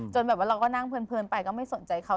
แบบว่าเราก็นั่งเพลินไปก็ไม่สนใจเขา